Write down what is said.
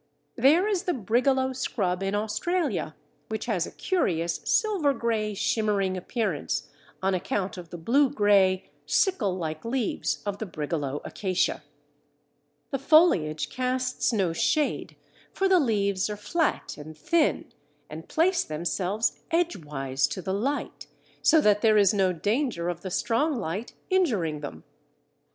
There is the Brigalow Scrub in Australia, which has a curious silver grey shimmering appearance on account of the blue grey sickle like leaves of the Brigalow Acacia. The foliage casts no shade, for the leaves are flat and thin, and place themselves edgewise to the light, so that there is no danger of the strong light injuring them.